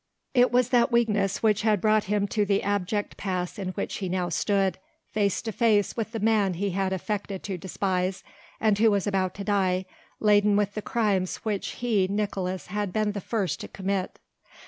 It was that weakness which had brought him to the abject pass in which he now stood, face to face with the man he had affected to despise, and who was about to die, laden with the crimes which he Nicolaes had been the first to commit.